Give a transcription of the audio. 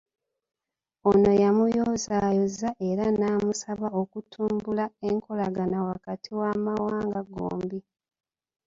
Ono yamuyozaayoza era namusaba okutumbula enkolagana wakati w'amawanga gombi.